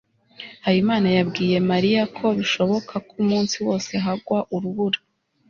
habimana yabwiye mariya ko bishoboka ko umunsi wose hagwa urubura